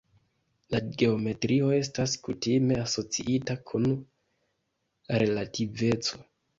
La geometrio estas kutime asociita kun relativeco.